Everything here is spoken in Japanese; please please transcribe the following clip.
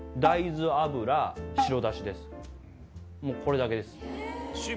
もうこれだけです。